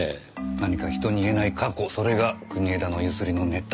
何か人に言えない過去それが国枝のゆすりのネタ？